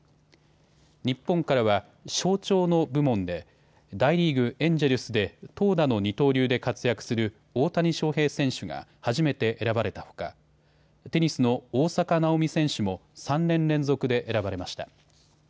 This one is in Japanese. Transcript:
日本からは象徴の部門で大リーグ・エンジェルスで投打の二刀流で活躍する大谷翔平選手が初めて選ばれたほかテニスの大坂なおみ選手も３年連続で選ばれました。